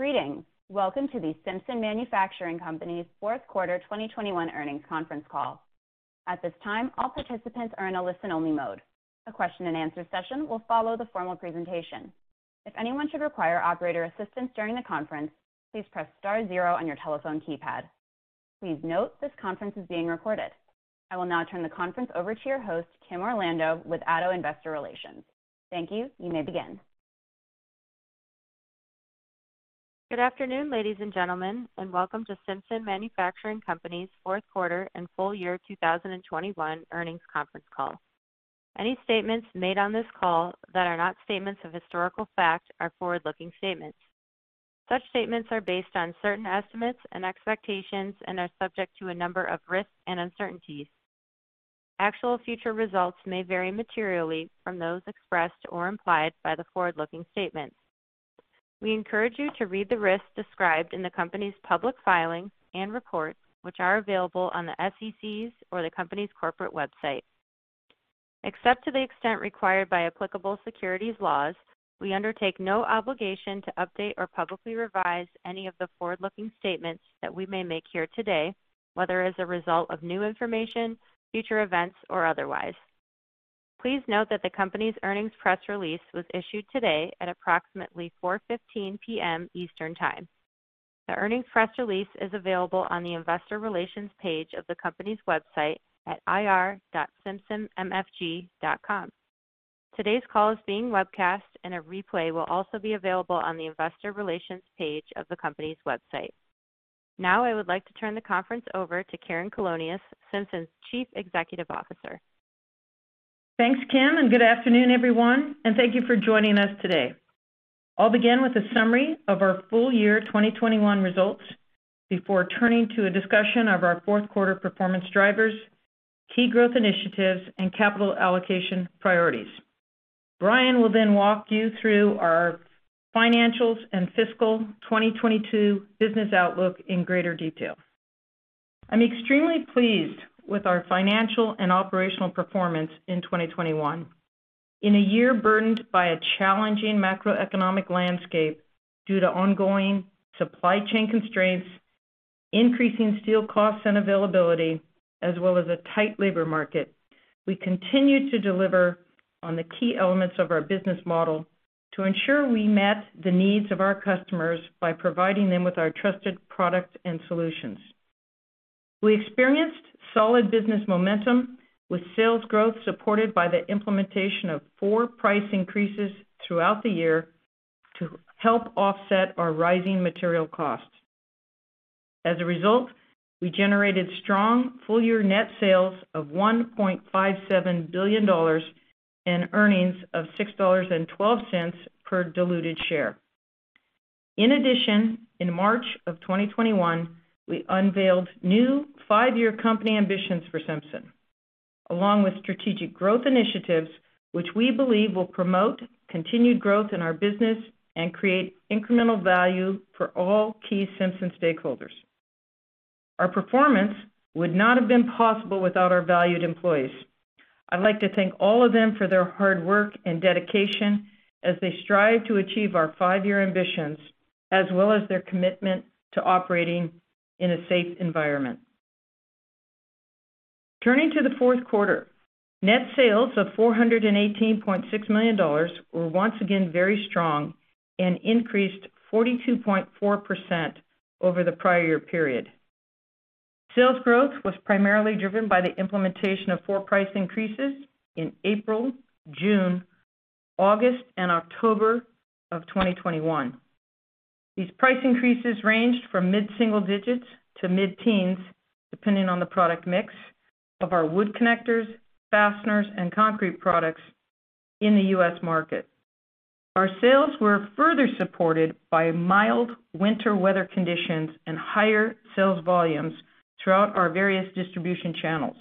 Greetings. Welcome to the Simpson Manufacturing Company's Fourth Quarter 2021 Earnings Conference Call. At this time, all participants are in a listen-only mode. A question-and-answer session will follow the formal presentation. If anyone should require operator assistance during the conference, please press star zero on your telephone keypad. Please note, this conference is being recorded. I will now turn the conference over to your host, Kim Orlando with Addo Investor Relations. Thank you. You may begin. Good afternoon, ladies and gentlemen, and welcome to Simpson Manufacturing Company's fourth quarter and full year 2021 earnings conference call. Any statements made on this call that are not statements of historical fact are forward-looking statements. Such statements are based on certain estimates and expectations and are subject to a number of risks and uncertainties. Actual future results may vary materially from those expressed or implied by the forward-looking statements. We encourage you to read the risks described in the company's public filings and reports, which are available on the SEC's or the company's corporate website. Except to the extent required by applicable securities laws, we undertake no obligation to update or publicly revise any of the forward-looking statements that we may make here today, whether as a result of new information, future events, or otherwise. Please note that the company's earnings press release was issued today at approximately 4:15 P.M. Eastern Time. The earnings press release is available on the investor relations page of the company's website at ir.simpsonmfg.com. Today's call is being webcast, and a replay will also be available on the investor relations page of the company's website. Now I would like to turn the conference over to Karen Colonias, Simpson's Chief Executive Officer. Thanks, Kim, and good afternoon, everyone, and thank you for joining us today. I'll begin with a summary of our full year 2021 results before turning to a discussion of our fourth quarter performance drivers, key growth initiatives, and capital allocation priorities. Brian will then walk you through our financials and fiscal 2022 business outlook in greater detail. I'm extremely pleased with our financial and operational performance in 2021. In a year burdened by a challenging macroeconomic landscape due to ongoing supply chain constraints, increasing steel costs and availability, as well as a tight labor market, we continued to deliver on the key elements of our business model to ensure we met the needs of our customers by providing them with our trusted products and solutions. We experienced solid business momentum, with sales growth supported by the implementation of four price increases throughout the year to help offset our rising material costs. As a result, we generated strong full-year net sales of $1.57 billion and earnings of $6.12 per diluted share. In addition, in March 2021, we unveiled new five year company ambitions for Simpson, along with strategic growth initiatives which we believe will promote continued growth in our business and create incremental value for all key Simpson stakeholders. Our performance would not have been possible without our valued employees. I'd like to thank all of them for their hard work and dedication as they strive to achieve our five year ambitions, as well as their commitment to operating in a safe environment. Turning to the fourth quarter. Net sales of $418.6 million were once again very strong and increased 42.4% over the prior year period. Sales growth was primarily driven by the implementation of four price increases in April, June, August, and October of 2021. These price increases ranged from mid-single digits to mid-teens, depending on the product mix of our wood connectors, fasteners, and concrete products in the U.S. market. Our sales were further supported by mild winter weather conditions and higher sales volumes throughout our various distribution channels.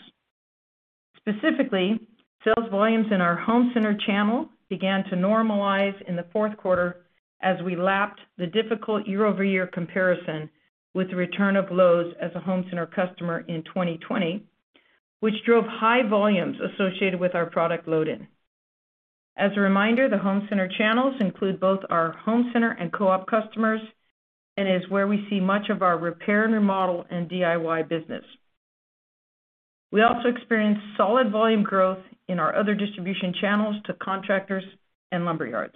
Specifically, sales volumes in our home center channel began to normalize in the fourth quarter as we lapped the difficult year-over-year comparison with the return of Lowe's as a home center customer in 2020, which drove high volumes associated with our product load-in. As a reminder, the home center channels include both our home center and co-op customers and is where we see much of our repair, remodel, and DIY business. We also experienced solid volume growth in our other distribution channels to contractors and lumber yards.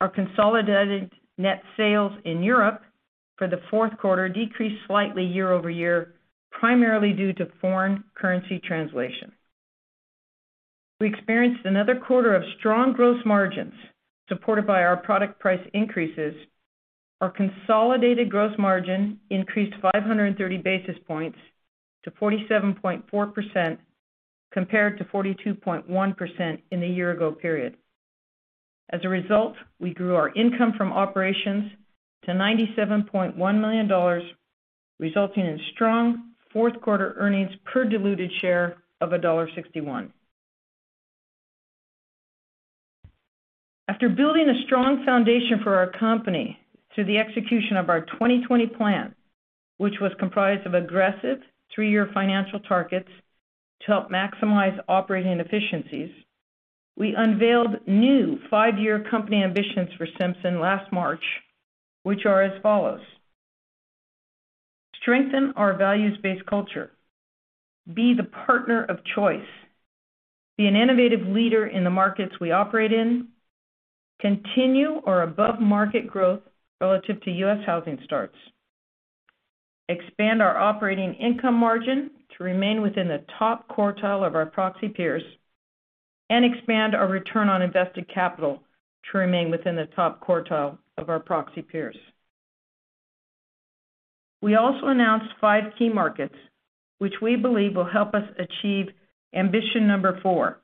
Our consolidated net sales in Europe for the fourth quarter decreased slightly year over year, primarily due to foreign currency translation. We experienced another quarter of strong gross margins, supported by our product price increases. Our consolidated gross margin increased 530 basis points to 47.4% compared to 42.1% in the year ago period. As a result, we grew our income from operations to $97.1 million, resulting in strong fourth quarter earnings per diluted share of $1.61. After building a strong foundation for our company through the execution of our 2020 plan, which was comprised of aggressive three year financial targets. To help maximize operating efficiencies, we unveiled new five year company ambitions for Simpson last March, which are as follows: strengthen our values-based culture, be the partner of choice, be an innovative leader in the markets we operate in, continue our above-market growth relative to U.S. housing starts, expand our operating income margin to remain within the top quartile of our proxy peers, and expand our return on invested capital to remain within the top quartile of our proxy peers. We also announced five key markets which we believe will help us achieve ambition number four,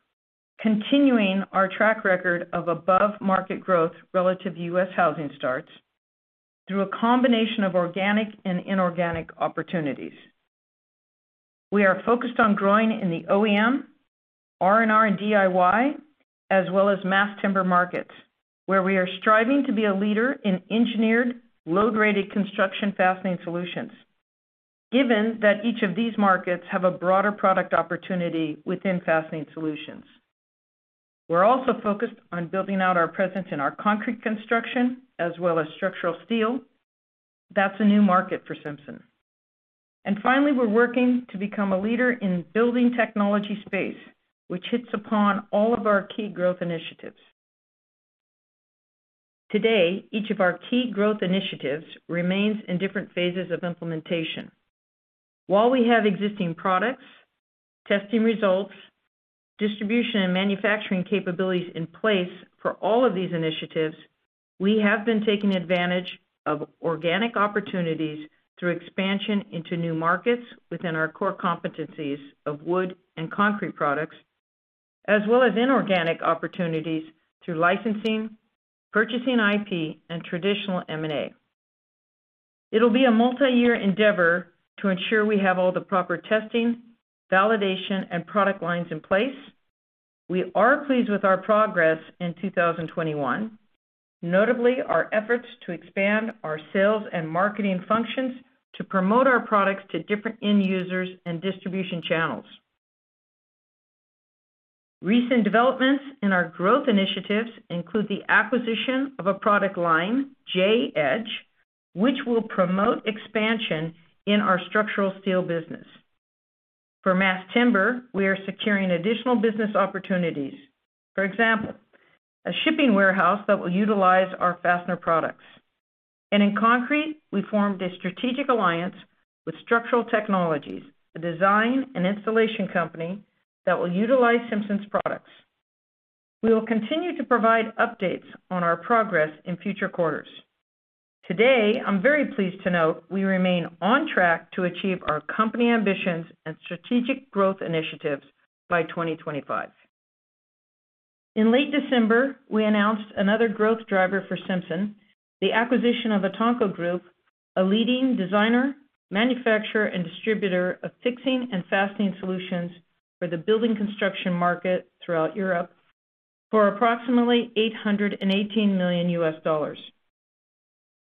continuing our track record of above-market growth relative to U.S. housing starts, through a combination of organic and inorganic opportunities. We are focused on growing in the OEM, R&R and DIY, as well as mass timber markets, where we are striving to be a leader in engineered, load-rated construction fastening solutions given that each of these markets have a broader product opportunity within fastening solutions. We're also focused on building out our presence in our concrete construction as well as structural steel. That's a new market for Simpson. Finally, we're working to become a leader in building technology space, which hits upon all of our key growth initiatives. Today, each of our key growth initiatives remains in different phases of implementation. While we have existing products, testing results, distribution, and manufacturing capabilities in place for all of these initiatives, we have been taking advantage of organic opportunities through expansion into new markets within our core competencies of wood and concrete products, as well as inorganic opportunities through licensing, purchasing IP, and traditional M&A. It'll be a multi-year endeavor to ensure we have all the proper testing, validation, and product lines in place. We are pleased with our progress in 2021, notably our efforts to expand our sales and marketing functions to promote our products to different end users and distribution channels. Recent developments in our growth initiatives include the acquisition of a product line, J Edge, which will promote expansion in our structural steel business. For mass timber, we are securing additional business opportunities. For example, a shipping warehouse that will utilize our fastener products. In concrete, we formed a strategic alliance with Structural Technologies, a design and installation company that will utilize Simpson's products. We will continue to provide updates on our progress in future quarters. Today, I'm very pleased to note we remain on track to achieve our company ambitions and strategic growth initiatives by 2025. In late December, we announced another growth driver for Simpson, the acquisition of Etanco Group, a leading designer, manufacturer, and distributor of fixing and fastening solutions for the building construction market throughout Europe for approximately $818 million.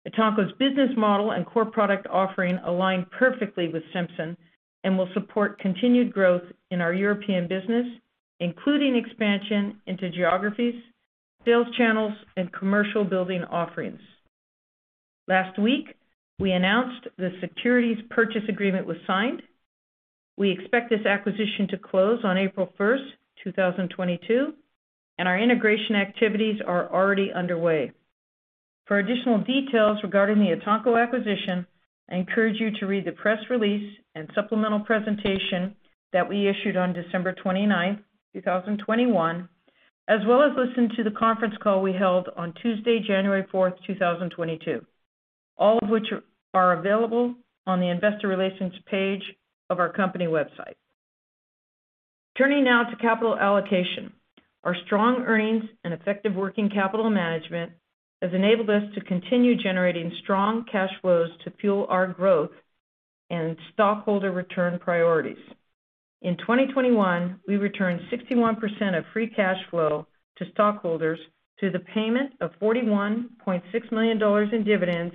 Etanco's business model and core product offering align perfectly with Simpson and will support continued growth in our European business, including expansion into geographies, sales channels, and commercial building offerings. Last week, we announced the securities purchase agreement was signed. We expect this acquisition to close on April 1st, 2022, and our integration activities are already underway. For additional details regarding the Etanco acquisition, I encourage you to read the press release and supplemental presentation that we issued on December 29, 2021, as well as listen to the conference call we held on Tuesday, January 4th, 2022, all of which are available on the investor relations page of our company website. Turning now to capital allocation. Our strong earnings and effective working capital management has enabled us to continue generating strong cash flows to fuel our growth and stockholder return priorities. In 2021, we returned 61% of free cash flow to stockholders through the payment of $41.6 million in dividends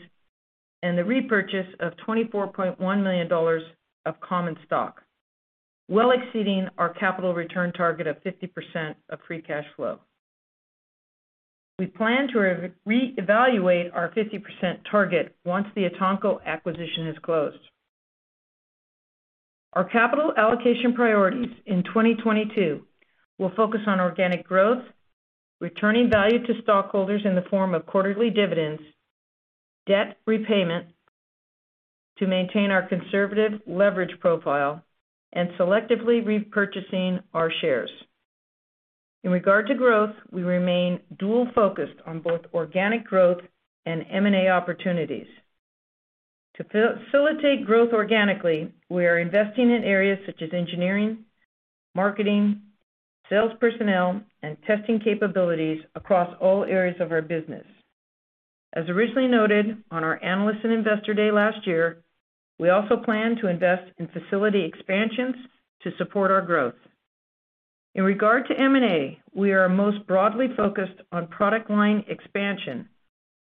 and the repurchase of $24.1 million of common stock, well exceeding our capital return target of 50% of free cash flow. We plan to reevaluate our 50% target once the Etanco acquisition is closed. Our capital allocation priorities in 2022 will focus on organic growth, returning value to stockholders in the form of quarterly dividends, debt repayment to maintain our conservative leverage profile, and selectively repurchasing our shares. In regard to growth, we remain dual-focused on both organic growth and M&A opportunities. To facilitate growth organically, we are investing in areas such as engineering, marketing, sales personnel, and testing capabilities across all areas of our business. As originally noted on our Analyst and Investor Day last year, we also plan to invest in facility expansions to support our growth. In regard to M&A, we are most broadly focused on product line expansion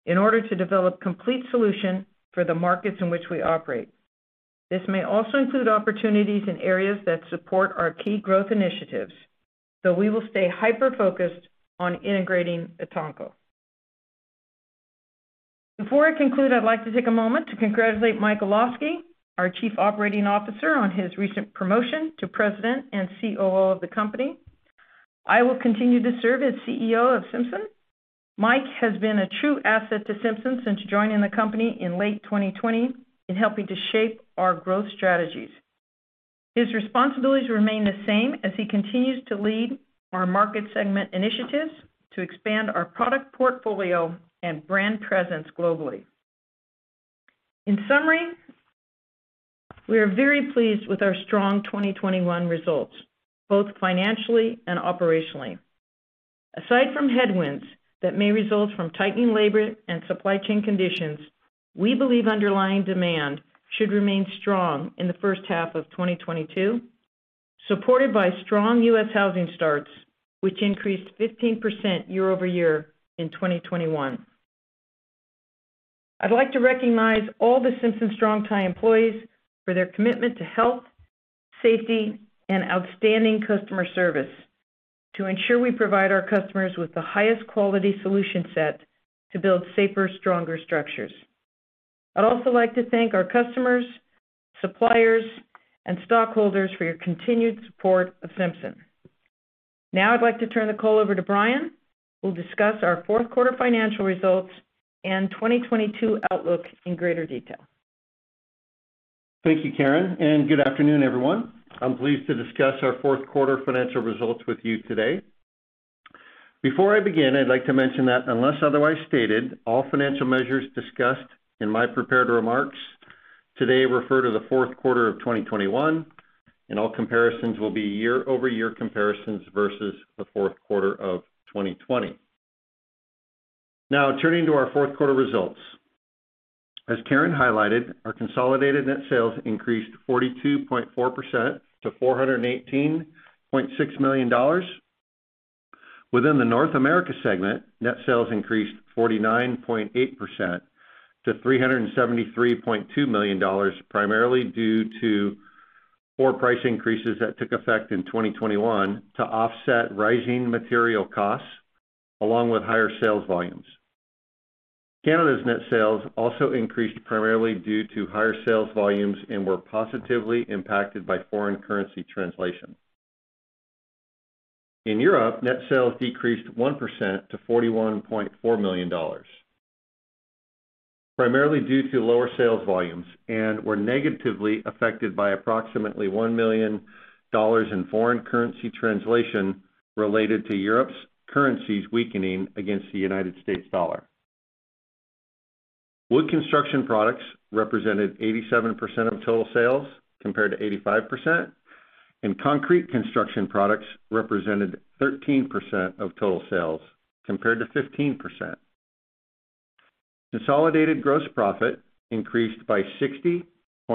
in order to develop complete solution for the markets in which we operate. This may also include opportunities in areas that support our key growth initiatives, but we will stay hyper-focused on integrating Etanco. Before I conclude, I'd like to take a moment to congratulate Mike Olosky, our Chief Operating Officer, on his recent promotion to President and COO of the company. I will continue to serve as CEO of Simpson. Mike has been a true asset to Simpson since joining the company in late 2020 in helping to shape our growth strategies. His responsibilities remain the same as he continues to lead our market segment initiatives to expand our product portfolio and brand presence globally. In summary, we are very pleased with our strong 2021 results, both financially and operationally. Aside from headwinds that may result from tightening labor and supply chain conditions, we believe underlying demand should remain strong in the first half of 2022, supported by strong U.S. housing starts, which increased 15% year-over-year in 2021. I'd like to recognize all the Simpson Strong-Tie employees for their commitment to health, safety, and outstanding customer service to ensure we provide our customers with the highest quality solution set to build safer, stronger structures. I'd also like to thank our customers, suppliers, and stockholders for your continued support of Simpson. Now I'd like to turn the call over to Brian, who'll discuss our fourth quarter financial results and 2022 outlook in greater detail. Thank you, Karen, and good afternoon, everyone. I'm pleased to discuss our fourth quarter financial results with you today. Before I begin, I'd like to mention that unless otherwise stated, all financial measures discussed in my prepared remarks today refer to the fourth quarter of 2021, and all comparisons will be year-over-year comparisons versus the fourth quarter of 2020. Now turning to our fourth quarter results. As Karen highlighted, our consolidated net sales increased 42.4% to $418.6 million. Within the North America segment, net sales increased 49.8% to $373.2 million, primarily due to four price increases that took effect in 2021 to offset rising material costs along with higher sales volumes. Canada's net sales also increased primarily due to higher sales volumes and were positively impacted by foreign currency translation. In Europe, net sales decreased 1% to $41.4 million, primarily due to lower sales volumes and were negatively affected by approximately $1 million in foreign currency translation related to Europe's currencies weakening against the United States dollar. Wood construction products represented 87% of total sales, compared to 85%, and concrete construction products represented 13% of total sales compared to 15%. Consolidated gross profit increased by 60.3%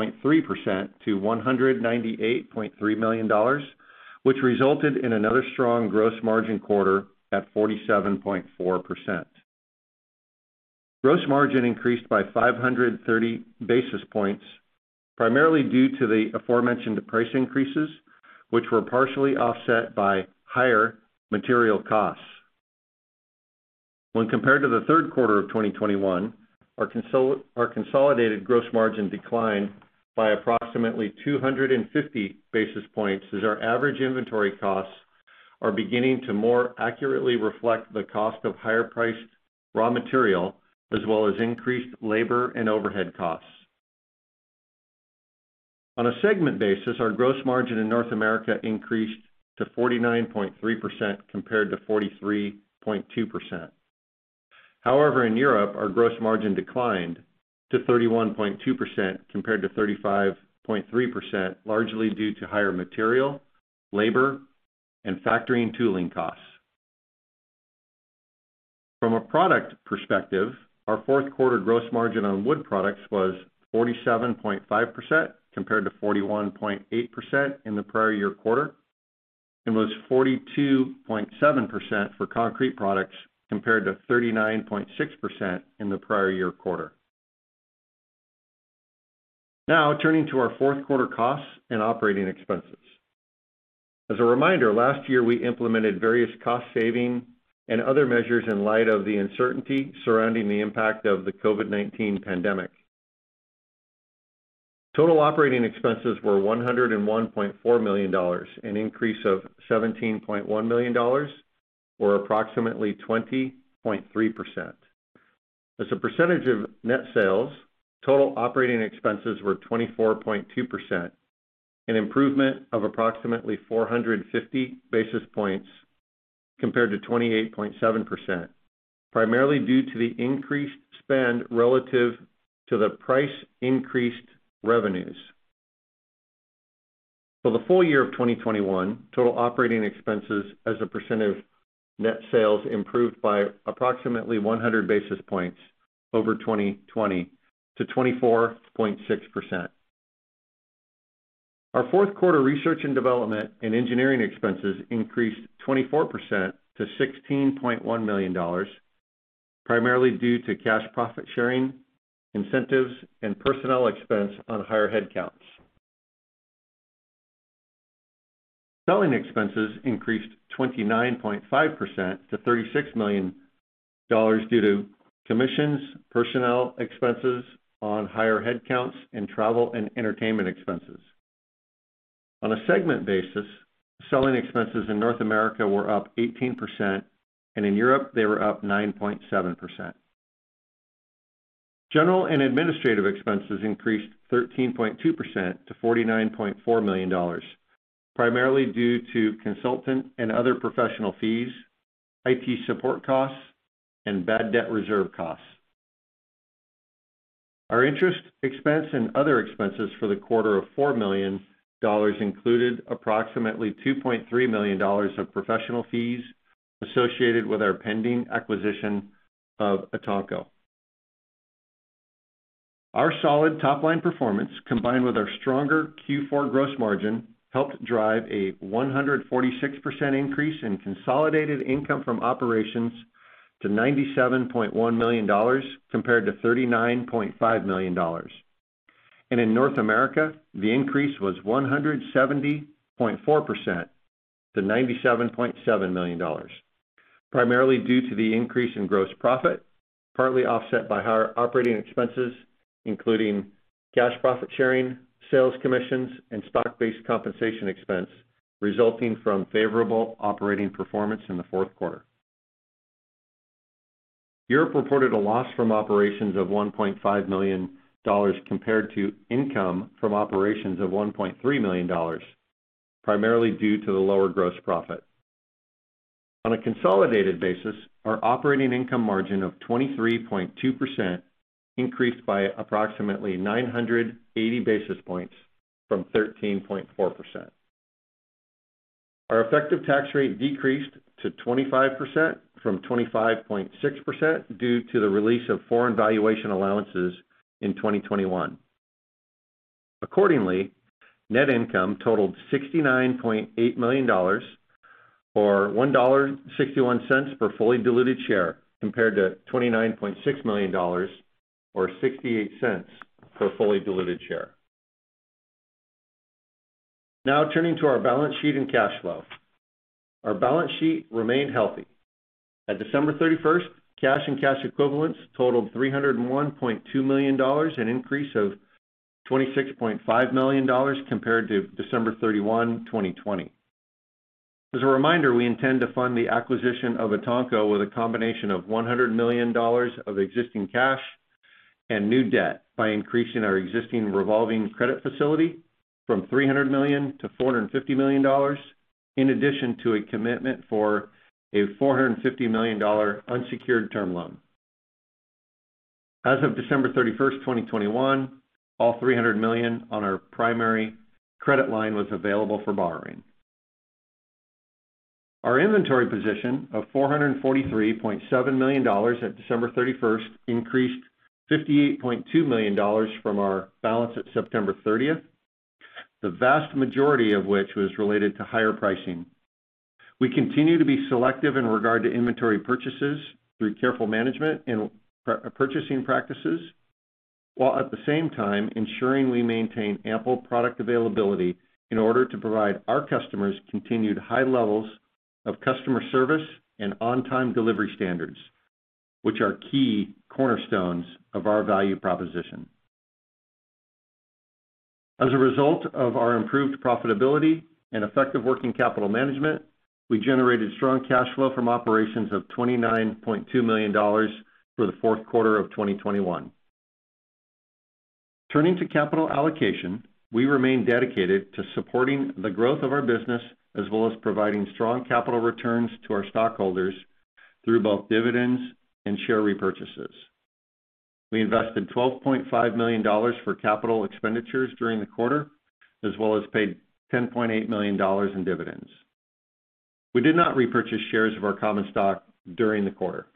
to $198.3 million, which resulted in another strong gross margin quarter at 47.4%. Gross margin increased by 530 basis points, primarily due to the aforementioned price increases, which were partially offset by higher material costs. When compared to the third quarter of 2021, our consolidated gross margin declined by approximately 250 basis points as our average inventory costs are beginning to more accurately reflect the cost of higher priced raw material, as well as increased labor and overhead costs. On a segment basis, our gross margin in North America increased to 49.3% compared to 43.2%. However, in Europe, our gross margin declined to 31.2% compared to 35.3%, largely due to higher material, labor, and factory and tooling costs. From a product perspective, our fourth quarter gross margin on wood products was 47.5% compared to 41.8% in the prior year quarter, and was 42.7% for concrete products compared to 39.6% in the prior year quarter. Now, turning to our fourth quarter costs and operating expenses. As a reminder, last year we implemented various cost saving and other measures in light of the uncertainty surrounding the impact of the COVID-19 pandemic. Total operating expenses were $101.4 million, an increase of $17.1 million, or approximately 20.3%. As a percentage of net sales, total operating expenses were 24.2%, an improvement of approximately 450 basis points compared to 28.7%, primarily due to increase spend relative to the price-increased revenues. For the full year of 2021, total operating expenses as a percent of net sales improved by approximately 100 basis points over 2020 to 24.6%. Our fourth quarter research and development and engineering expenses increased 24% to $16.1 million, primarily due to cash profit sharing, incentives, and personnel expense on higher headcounts. Selling expenses increased 29.5% to $36 million due to commissions, personnel expenses on higher headcounts, and travel and entertainment expenses. On a segment basis, selling expenses in North America were up 18%, and in Europe they were up 9.7%. General and administrative expenses increased 13.2% to $49.4 million, primarily due to consultant and other professional fees, IT support costs, and bad debt reserve costs. Our interest expense and other expenses for the quarter of $4 million included approximately $2.3 million of professional fees associated with our pending acquisition of Etanco. Our solid top-line performance, combined with our stronger Q4 gross margin, helped drive a 146% increase in consolidated income from operations to $97.1 million compared to $39.5 million. In North America, the increase was 170.4% to $97.7 million, primarily due to the increase in gross profit, partly offset by higher operating expenses, including cash profit sharing, sales commissions, and stock-based compensation expense resulting from favorable operating performance in the fourth quarter. Europe reported a loss from operations of $1.5 million compared to income from operations of $1.3 million, primarily due to the lower gross profit. On a consolidated basis, our operating income margin of 23.2% increased by approximately 980 basis points from 13.4%. Our effective tax rate decreased to 25% from 25.6% due to the release of foreign valuation allowances in 2021. Accordingly, net income totaled $69.8 million, or $1.61 per fully diluted share compared to $29.6 million or $0.68 per fully diluted share. Now turning to our balance sheet and cash flow. Our balance sheet remained healthy. At December 31st, cash and cash equivalents totaled $301.2 million, an increase of $26.5 million compared to December 31, 2020. As a reminder, we intend to fund the acquisition of Etanco with a combination of $100 million of existing cash and new debt by increasing our existing revolving credit facility from $300 million to $450 million, in addition to a commitment for a $450 million unsecured term loan. As of December 31st, 2021, all $300 million on our primary credit line was available for borrowing. Our inventory position of $443.7 million at December 31st increased $58.2 million from our balance at September 30th, the vast majority of which was related to higher pricing. We continue to be selective in regard to inventory purchases through careful management and purchasing practices, while at the same time ensuring we maintain ample product availability in order to provide our customers continued high levels of customer service and on-time delivery standards, which are key cornerstones of our value proposition. As a result of our improved profitability and effective working capital management, we generated strong cash flow from operations of $29.2 million for the fourth quarter of 2021. Turning to capital allocation, we remain dedicated to supporting the growth of our business as well as providing strong capital returns to our stockholders through both dividends and share repurchases. We invested $12.5 million for capital expenditures during the quarter as well as paid $10.8 million in dividends. We did not repurchase shares of our common stock during the quarter.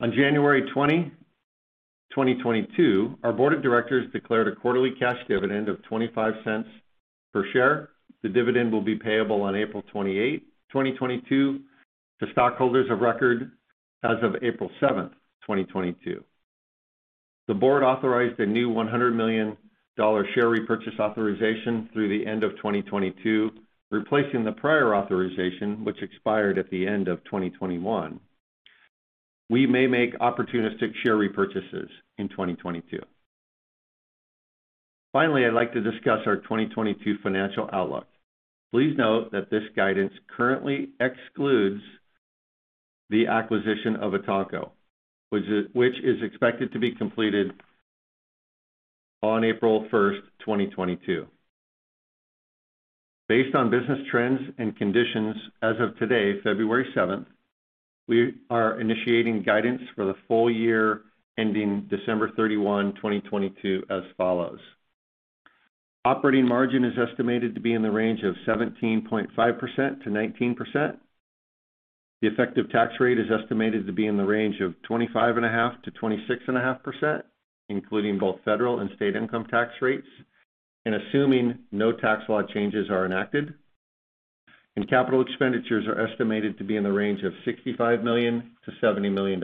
On January 20, 2022, our board of directors declared a quarterly cash dividend of $0.25 per share. The dividend will be payable on April 28, 2022 to stockholders of record as of April 7th, 2022. The board authorized a new $100 million share repurchase authorization through the end of 2022, replacing the prior authorization which expired at the end of 2021. We may make opportunistic share repurchases in 2022. Finally, I'd like to discuss our 2022 financial outlook. Please note that this guidance currently excludes the acquisition of Etanco, which is expected to be completed on April 1st, 2022. Based on business trends and conditions as of today, February 7, we are initiating guidance for the full year ending December 31, 2022 as follows. Operating margin is estimated to be in the range of 17.5%-19%. The effective tax rate is estimated to be in the range of 25.5%-26.5%, including both federal and state income tax rates, and assuming no tax law changes are enacted. Capital expenditures are estimated to be in the range of $65 million-$70 million.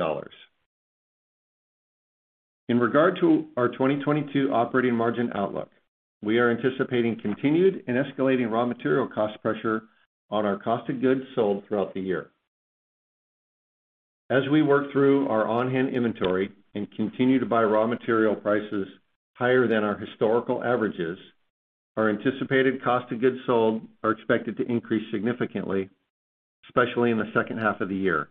In regard to our 2022 operating margin outlook, we are anticipating continued and escalating raw material cost pressure on our cost of goods sold throughout the year. As we work through our on-hand inventory and continue to buy raw material prices higher than our historical averages, our anticipated cost of goods sold are expected to increase significantly, especially in the second half of the year,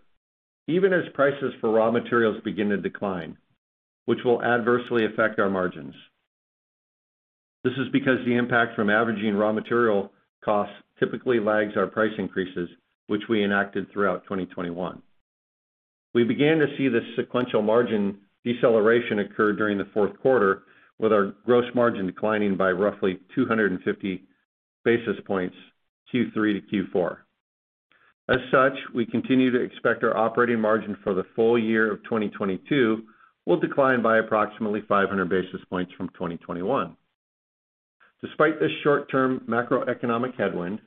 even as prices for raw materials begin to decline, which will adversely affect our margins. This is because the impact from averaging raw material costs typically lags our price increases, which we enacted throughout 2021. We began to see this sequential margin deceleration occur during the fourth quarter, with our gross margin declining by roughly 250 basis points Q3 to Q4. As such, we continue to expect our operating margin for the full year of 2022 will decline by approximately 500 basis points from 2021. Despite this short-term macroeconomic headwind,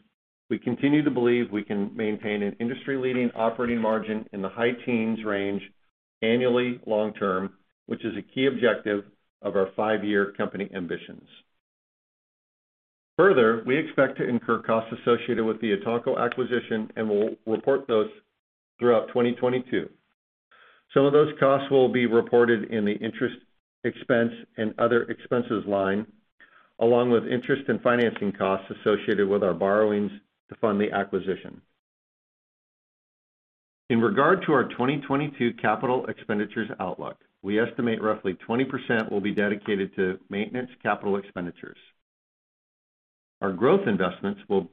we continue to believe we can maintain an industry-leading operating margin in the high teens range annually long term, which is a key objective of our five-year company ambitions. Further, we expect to incur costs associated with the Etanco acquisition and will report those throughout 2022. Some of those costs will be reported in the interest expense and other expenses line, along with interest and financing costs associated with our borrowings to fund the acquisition. In regard to our 2022 capital expenditures outlook, we estimate roughly 20% will be dedicated to maintenance capital expenditures. Our growth investments will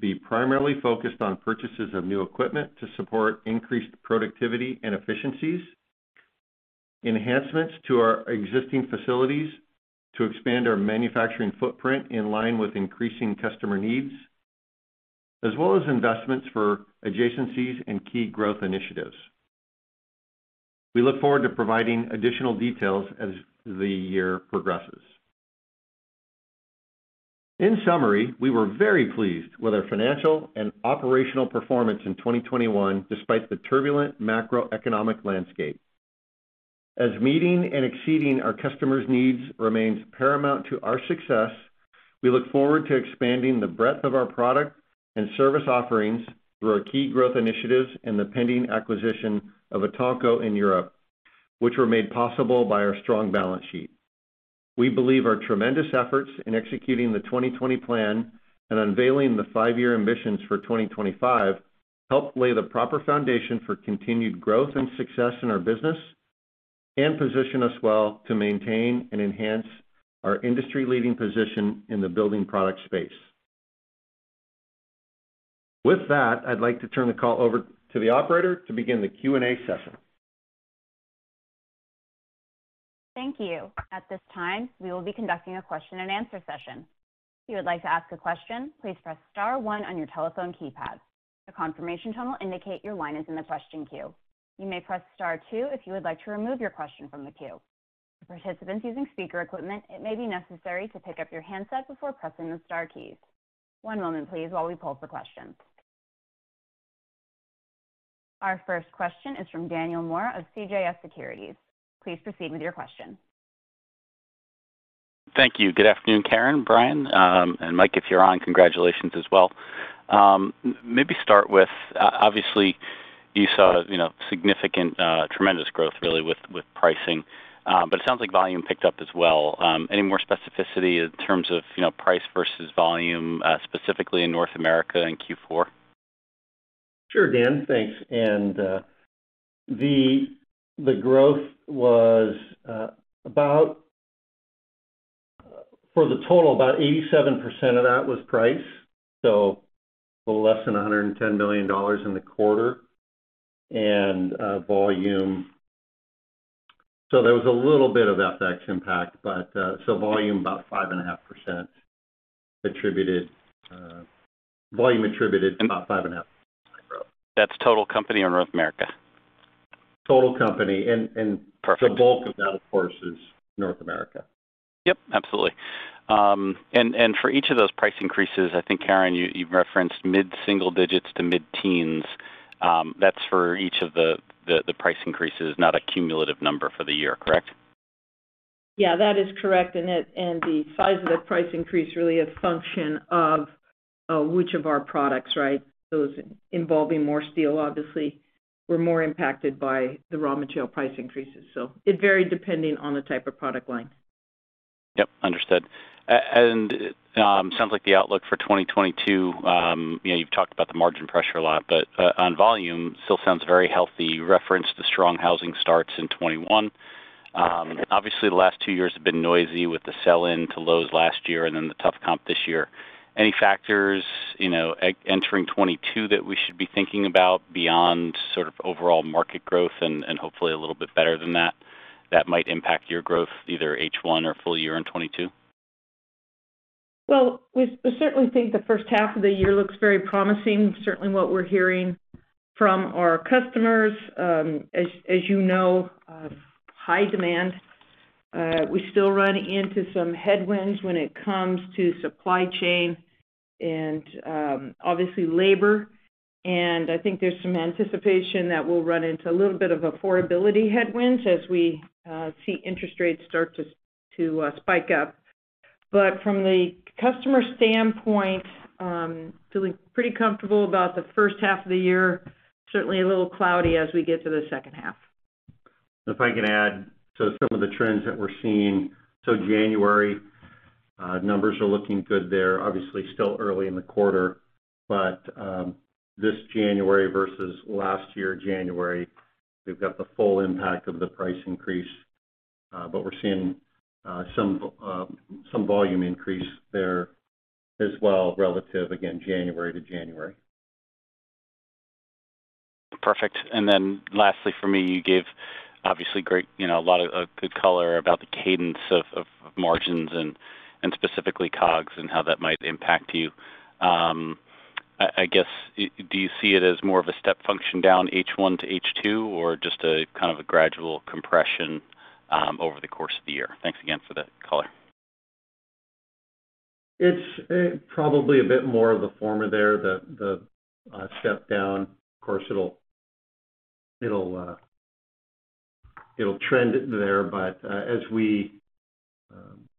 be primarily focused on purchases of new equipment to support increased productivity and efficiencies, enhancements to our existing facilities to expand our manufacturing footprint in line with increasing customer needs, as well as investments for adjacencies and key growth initiatives. We look forward to providing additional details as the year progresses. In summary, we were very pleased with our financial and operational performance in 2021 despite the turbulent macroeconomic landscape. As meeting and exceeding our customers' needs remains paramount to our success, we look forward to expanding the breadth of our product and service offerings through our key growth initiatives and the pending acquisition of Etanco in Europe, which were made possible by our strong balance sheet. We believe our tremendous efforts in executing the 2020 plan and unveiling the five year ambitions for 2025 helped lay the proper foundation for continued growth and success in our business and position us well to maintain and enhance our industry-leading position in the building product space. With that, I'd like to turn the call over to the operator to begin the Q&A session. Thank you. At this time, we will be conducting a question and answer session. If you would like to ask a question, please press star one on your telephone keypad. A confirmation tone will indicate your line is in the question queue. You may press star two if you would like to remove your question from the queue. For participants using speaker equipment, it may be necessary to pick up your handset before pressing the star keys. One moment please while we pull for questions. Our first question is from Daniel Moore of CJS Securities. Please proceed with your question. Thank you. Good afternoon, Karen, Brian, and Mike, if you're on, congratulations as well. Maybe start with, obviously you saw, you know, significant, tremendous growth really with pricing, but it sounds like volume picked up as well. Any more specificity in terms of, you know, price versus volume, specifically in North America in Q4? Sure, Dan. Thanks. The growth was about, for the total, about 87% of that was price, so a little less than $110 million in the quarter. There was a little bit of FX impact, but volume attributed about 5.5% growth. That's total company or North America? Total company. Perfect. The bulk of that, of course, is North America. Yep, absolutely. For each of those price increases, I think, Karen, you referenced mid-single digits to mid-teens. That's for each of the price increases, not a cumulative number for the year, correct? Yeah, that is correct. The size of the price increase really a function of which of our products, right? Those involving more steel obviously were more impacted by the raw material price increases. It varied depending on the type of product line. Yep, understood. Sounds like the outlook for 2022, you know, you've talked about the margin pressure a lot, but on volume still sounds very healthy. You referenced the strong housing starts in 2021. Obviously the last two years have been noisy with the sell-in to Lowe's last year and then the tough comp this year. Any factors, you know, entering 2022 that we should be thinking about beyond sort of overall market growth and hopefully a little bit better than that might impact your growth either H1 or full year in 2022? Well, we certainly think the first half of the year looks very promising. Certainly what we're hearing from our customers, as you know, high demand. We still run into some headwinds when it comes to supply chain and, obviously labor. I think there's some anticipation that we'll run into a little bit of affordability headwinds as we see interest rates start to spike up. From the customer standpoint, we're feeling pretty comfortable about the first half of the year. Certainly a little cloudy as we get to the second half. If I can add to some of the trends that we're seeing. January numbers are looking good there. Obviously, still early in the quarter, but this January versus last year January, we've got the full impact of the price increase, but we're seeing some volume increase there as well relative, again, January to January. Perfect. Lastly for me, you gave obviously great, you know, a lot of good color about the cadence of margins and specifically COGS and how that might impact you. I guess, do you see it as more of a step function down H1 to H2 or just a kind of a gradual compression over the course of the year? Thanks again for that color. It's probably a bit more of the former there, the step down. Of course, it'll trend there. As we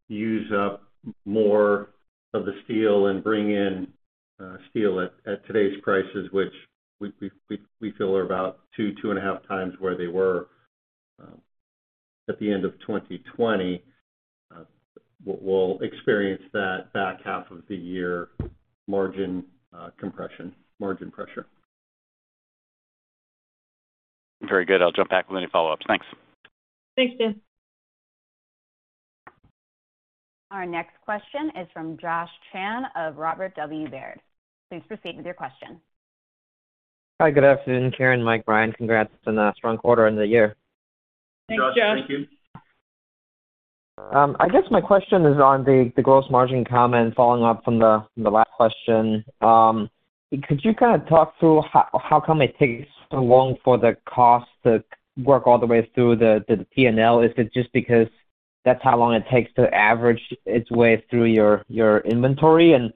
use up more of the steel and bring in steel at today's prices, which we feel are about 2.5x Where they were at the end of 2020, we'll experience that back half of the year margin compression, margin pressure. Very good. I'll jump back with any follow-ups. Thanks. Thanks, Dan. Our next question is from Josh Ch of Robert W. Baird. Please proceed with your question. Hi, good afternoon, Karen, Mike, Brian. Congrats on a strong quarter on the year. Thanks, Josh. Josh, thank you. I guess my question is on the gross margin comment following up from the last question. Could you kind of talk through how come it takes so long for the cost to work all the way through the P&L? Is it just because that's how long it takes to average its way through your inventory? And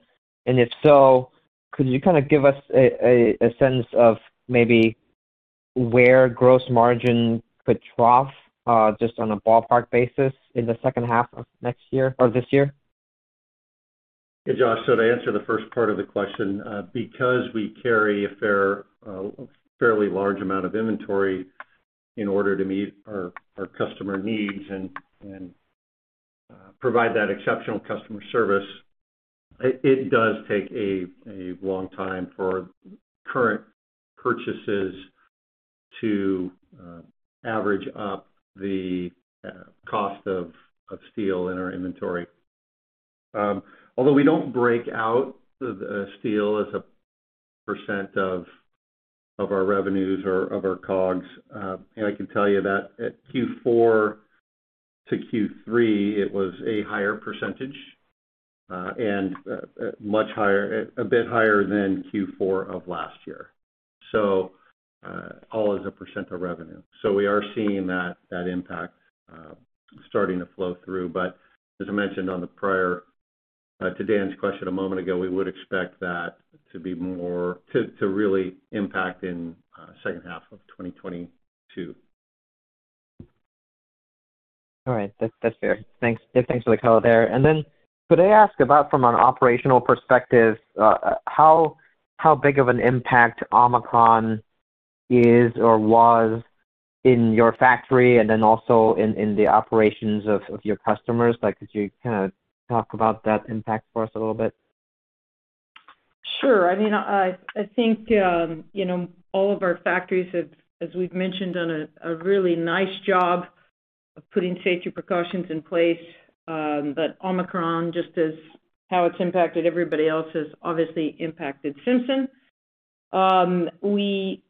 if so, could you kind of give us a sense of maybe where gross margin could trough, just on a ballpark basis in the second half of next year or this year? Hey, Josh. To answer the first part of the question, because we carry a fairly large amount of inventory in order to meet our customer needs and provide that exceptional customer service, it does take a long time for current purchases to average up the cost of steel in our inventory. Although we don't break out the steel as a percent of our revenues or of our COGS, and I can tell you that at Q4 to Q3 it was a higher percentage, and a bit higher than Q4 of last year. All as a percent of revenue. We are seeing that impact starting to flow through. As I mentioned on the prior to Dan's question a moment ago, we would expect that to be more to really impact in second half of 2022. All right. That's fair. Thanks. Yeah, thanks for the color there. Could I ask about from an operational perspective, how big of an impact Omicron is or was in your factory and then also in the operations of your customers? Like, could you kind of talk about that impact for us a little bit? Sure. I mean, I think, you know, all of our factories have, as we've mentioned, done a really nice job of putting safety precautions in place. Omicron, just as how it's impacted everybody else, has obviously impacted Simpson. We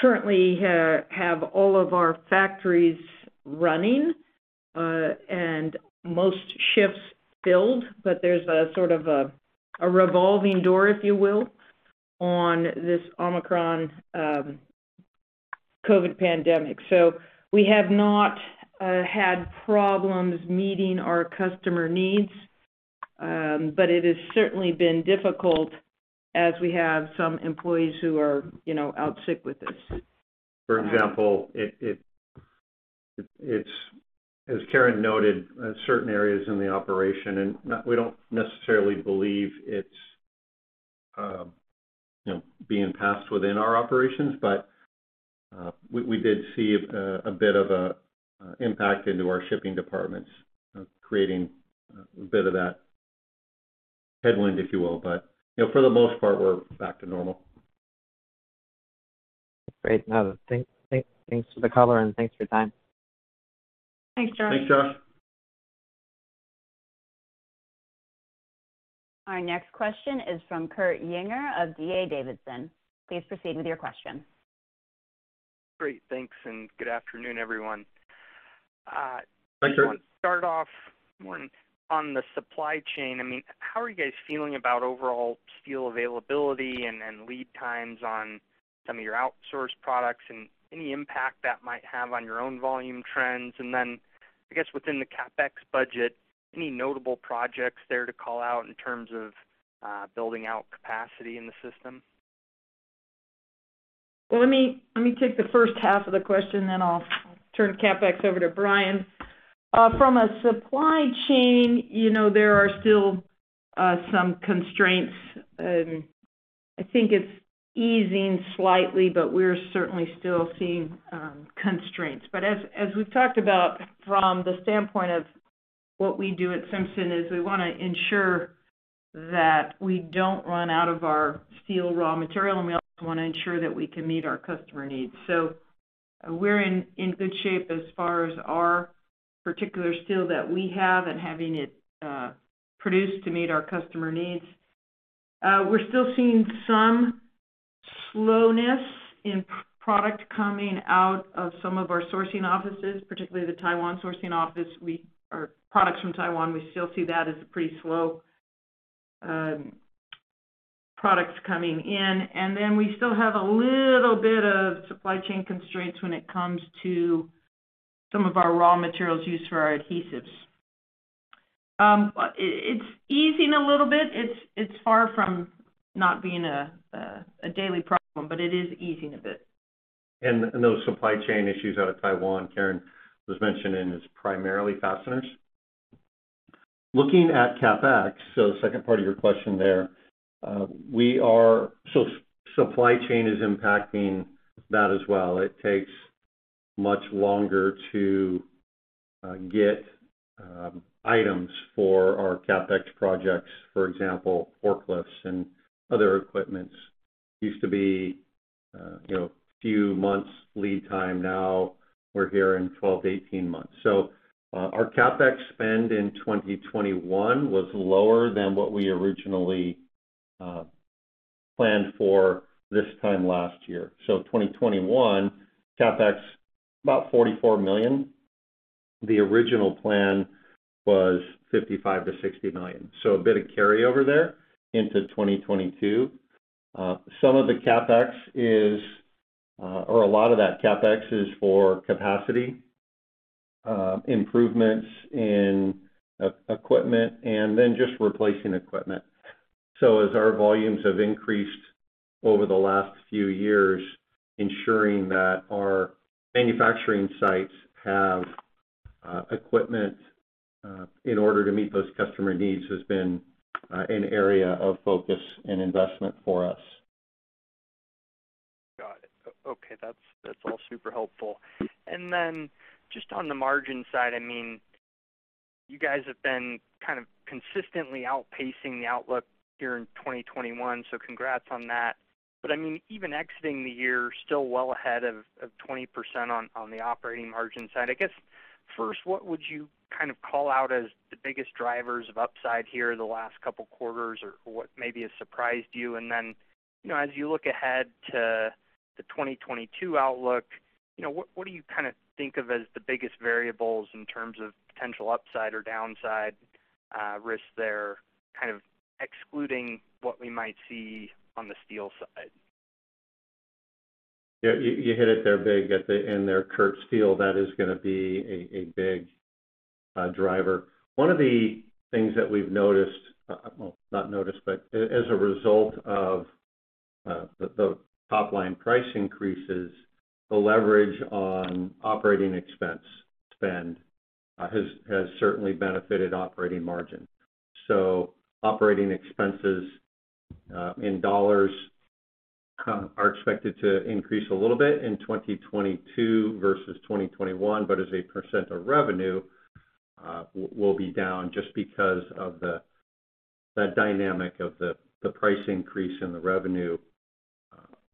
currently have all of our factories running, and most shifts filled, but there's a sort of a revolving door, if you will, on this Omicron, COVID pandemic. We have not had problems meeting our customer needs. It has certainly been difficult as we have some employees who are, you know, out sick with this. For example, it's, as Karen noted, certain areas in the operation, we don't necessarily believe it's, you know, being passed within our operations. We did see a bit of an impact into our shipping departments, creating a bit of that headwind, if you will. You know, for the most part, we're back to normal. Great. No, thanks for the color and thanks for your time. Thanks, Josh. Thanks, Josh. Our next question is from Kurt Yinger of D.A. Davidson. Please proceed with your question. Great. Thanks, and good afternoon, everyone. Hi, Kurt. I just want to start off this morning on the supply chain. I mean, how are you guys feeling about overall steel availability and then lead times on some of your outsourced products and any impact that might have on your own volume trends? Then I guess within the CapEx budget, any notable projects there to call out in terms of building out capacity in the system? Let me take the first half of the question, then I'll turn CapEx over to Brian. From a supply chain, you know, there are still some constraints. I think it's easing slightly, but we're certainly still seeing constraints. As we've talked about from the standpoint of what we do at Simpson is we wanna ensure that we don't run out of our steel raw material, and we also wanna ensure that we can meet our customer needs. We're in good shape as far as our particular steel that we have and having it produced to meet our customer needs. We're still seeing some slowness in product coming out of some of our sourcing offices, particularly the Taiwan sourcing office. Or products from Taiwan, we still see that as a pretty slow products coming in. We still have a little bit of supply chain constraints when it comes to some of our raw materials used for our adhesives. It's easing a little bit. It's far from not being a daily problem, but it is easing a bit. Those supply chain issues out of Taiwan, Karen was mentioning, is primarily fasteners. Looking at CapEx, the second part of your question there, supply chain is impacting that as well. It takes much longer to get items for our CapEx projects, for example, forklifts and other equipment. Used to be, you know, few months lead time. Now we're hearing 12-18 months. Our CapEx spend in 2021 was lower than what we originally planned for this time last year. 2021 CapEx about $44 million. The original plan was $55 million-$60 million. A bit of carryover there into 2022. Some of the CapEx, or a lot of that CapEx is for capacity improvements in equipment, and then just replacing equipment. As our volumes have increased over the last few years, ensuring that our manufacturing sites have equipment in order to meet those customer needs has been an area of focus and investment for us. Got it. Okay, that's all super helpful. Then just on the margin side, I mean, you guys have been kind of consistently outpacing the outlook here in 2021, so congrats on that. I mean, even exiting the year still well ahead of 20% on the operating margin side. I guess first, what would you kind of call out as the biggest drivers of upside here the last couple quarters or what maybe has surprised you? Then, you know, as you look ahead to the 2022 outlook, you know, what do you kind of think of as the biggest variables in terms of potential upside or downside risks there, kind of excluding what we might see on the steel side? Yeah, you hit it there big at the end there, Kurt. Steel, that is gonna be a big driver. One of the things that as a result of the top-line price increases, the leverage on operating expense spend has certainly benefited operating margin. Operating expenses in dollars are expected to increase a little bit in 2022 versus 2021, but as a percent of revenue will be down just because of that dynamic of the price increase and the revenue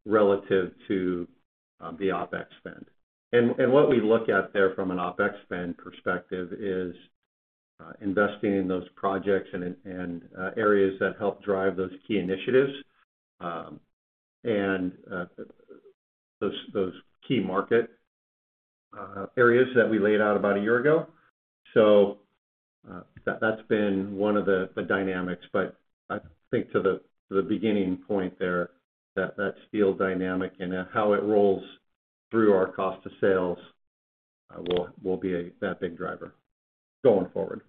relative to the OpEx spend. What we look at there from an OpEx spend perspective is investing in those projects and areas that help drive those key initiatives. Those key market areas that we laid out about a year ago. That's been one of the dynamics. I think to the beginning point there, that steel dynamic and how it rolls through our cost of sales will be that big driver going forward.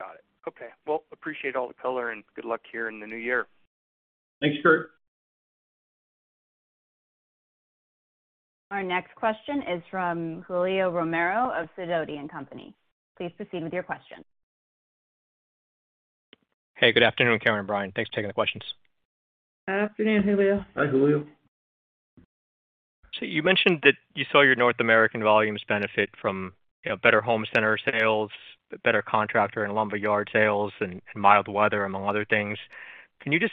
Got it. Okay. Well, appreciate all the color, and good luck here in the new year. Thanks, Kurt. Our next question is from Julio Romero of Sidoti & Company. Please proceed with your question. Hey, good afternoon, Karen and Brian. Thanks for taking the questions. Afternoon, Julio. Hi, Julio. You mentioned that you saw your North American volumes benefit from, you know, better home center sales, better contractor and lumberyard sales, and mild weather, among other things. Can you just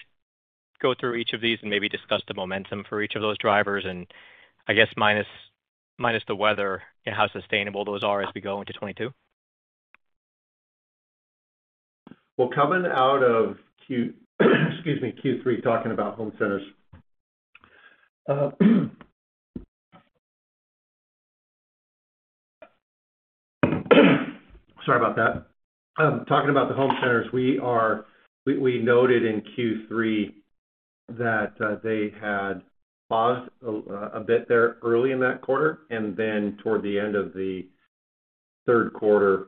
go through each of these and maybe discuss the momentum for each of those drivers? I guess minus the weather and how sustainable those are as we go into 2022. Well, coming out of Q3 talking about home centers. Talking about the home centers, we noted in Q3 that they had paused a bit there early in that quarter, and then toward the end of the third quarter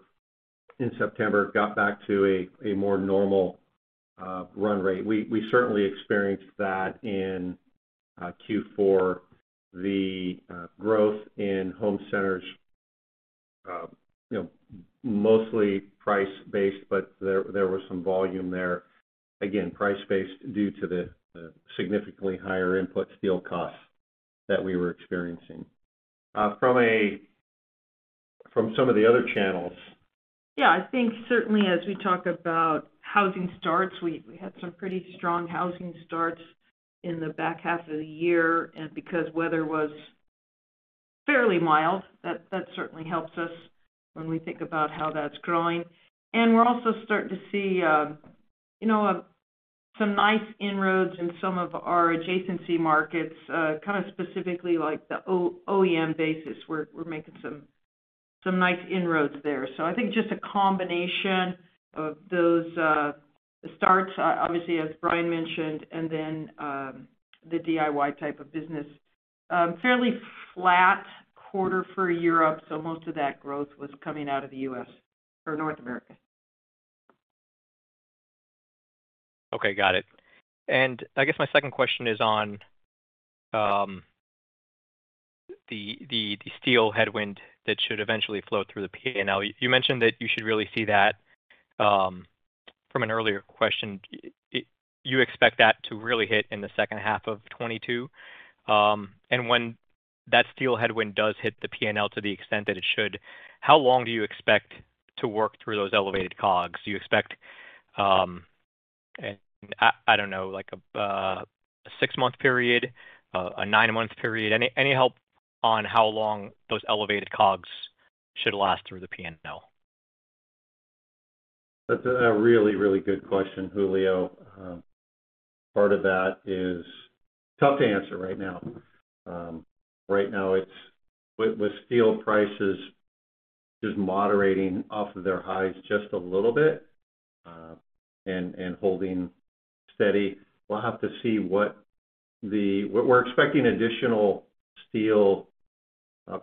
in September got back to a more normal run rate. We certainly experienced that in Q4, the growth in home centers, you know, mostly price-based, but there was some volume there, again, price-based due to the significantly higher input steel costs that we were experiencing from some of the other channels. Yeah, I think certainly as we talk about housing starts, we had some pretty strong housing starts in the back half of the year. Because weather was fairly mild, that certainly helps us when we think about how that's growing. We're also starting to see, you know, some nice inroads in some of our adjacency markets, kind of specifically like the OEM basis. We're making some nice inroads there. I think just a combination of those, the starts, obviously as Brian mentioned, and then, the DIY type of business. Fairly flat quarter for Europe, so most of that growth was coming out of the U.S. or North America. Okay, got it. I guess my second question is on the steel headwind that should eventually flow through the P&L. You mentioned that you should really see that from an earlier question. You expect that to really hit in the second half of 2022. When that steel headwind does hit the P&L to the extent that it should, how long do you expect to work through those elevated COGS? Do you expect, I don't know, like, a six-month period, a nine-month period? Any help on how long those elevated COGS should last through the P&L? That's a really, really good question, Julio. Part of that is tough to answer right now. Right now it's with steel prices just moderating off of their highs just a little bit, and holding steady. We're expecting additional steel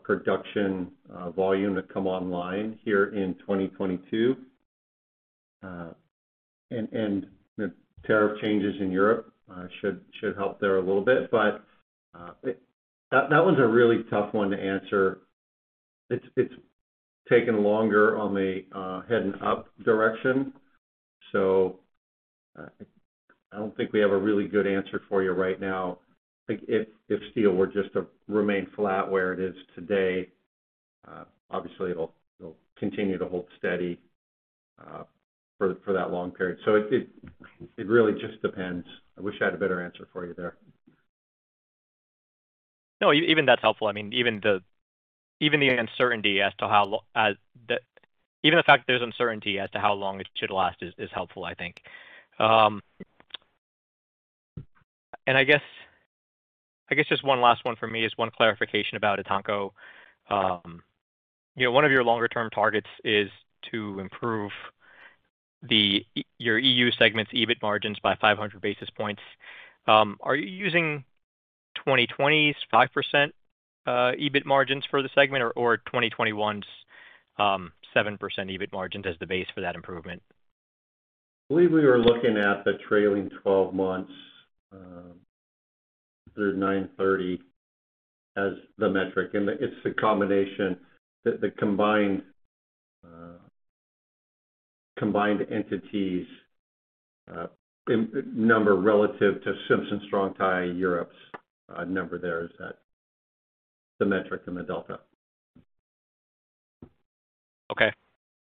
production volume to come online here in 2022. The tariff changes in Europe should help there a little bit. That one's a really tough one to answer. It's taken longer on the heading up direction, so I don't think we have a really good answer for you right now. Like, if steel were just to remain flat where it is today, obviously it'll continue to hold steady for that long period. It really just depends. I wish I had a better answer for you there. No, even that's helpful. I mean, even the uncertainty as to how long it should last is helpful, I think. I guess just one last one from me is one clarification about Etanco. You know, one of your longer term targets is to improve your EU segment's EBIT margins by 500 basis points. Are you using 2020's 5% EBIT margins for the segment or 2021's 7% EBIT margins as the base for that improvement? I believe we were looking at the trailing 12 months through 9/30 as the metric. It's the combined entities income relative to Simpson Strong-Tie Europe’s number, that is the metric and the delta.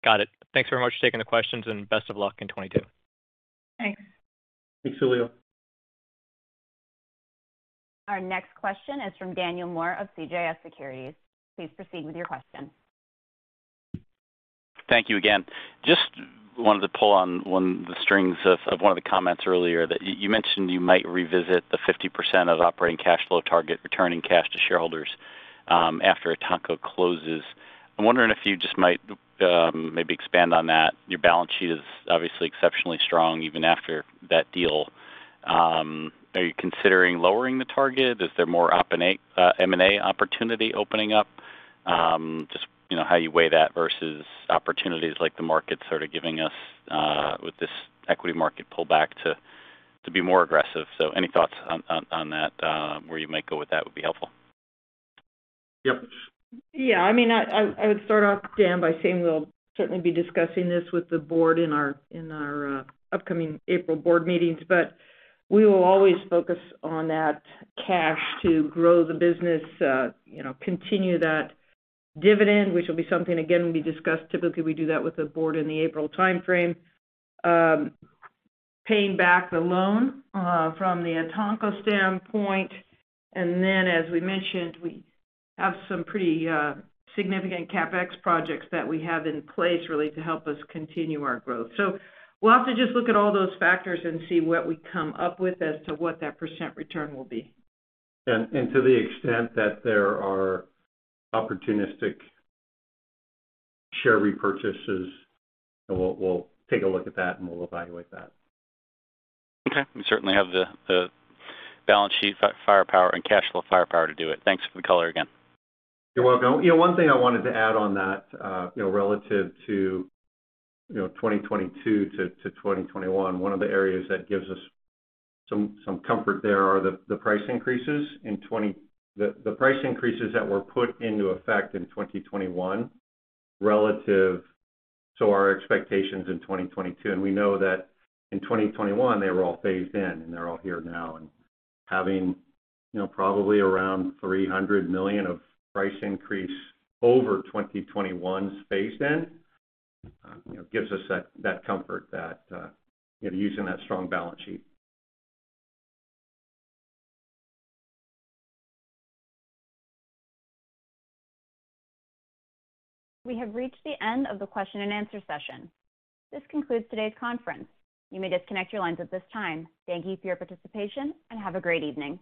Okay, got it. Thanks very much for taking the questions and best of luck in 2022. Thanks. Thanks, Julio. Our next question is from Daniel Moore of CJS Securities. Please proceed with your question. Thank you again. Just wanted to pull on one of the strings of one of the comments earlier that you mentioned you might revisit the 50% of operating cash flow target returning cash to shareholders after Etanco closes. I'm wondering if you just might maybe expand on that. Your balance sheet is obviously exceptionally strong even after that deal. Are you considering lowering the target? Is there more M&A opportunity opening up? Just, you know, how you weigh that versus opportunities like the market sort of giving us with this equity market pullback to be more aggressive. Any thoughts on that where you might go with that would be helpful. Yep. Yeah. I mean, I would start off, Dan, by saying we'll certainly be discussing this with the board in our upcoming April board meetings. We will always focus on that cash to grow the business, you know, continue that dividend, which will be something, again, will be discussed. Typically, we do that with the board in the April timeframe. Paying back the loan from the Etanco standpoint. Then as we mentioned, we have some pretty significant CapEx projects that we have in place really to help us continue our growth. We'll have to just look at all those factors and see what we come up with as to what that percent return will be. To the extent that there are opportunistic share repurchases, we'll take a look at that and we'll evaluate that. Okay. We certainly have the balance sheet firepower and cash flow firepower to do it. Thanks for the color again. You're welcome. You know, one thing I wanted to add on that, you know, relative to, you know, 2022 to 2021, one of the areas that gives us some comfort there are the price increases that were put into effect in 2021 relative to our expectations in 2022. We know that in 2021, they were all phased in, and they're all here now. Having, you know, probably around $300 million of price increase over 2021's phased in, you know, gives us that comfort that, you know, using that strong balance sheet. We have reached the end of the question and answer session. This concludes today's conference. You may disconnect your lines at this time. Thank you for your participation, and have a great evening.